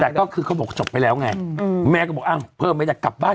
แต่ก็คือเขาบอกจบไปแล้วไงแม่ก็บอกอ้าวเพิ่มไม่ได้กลับบ้าน